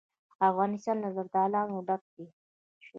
افغانستان له زردالو ډک دی.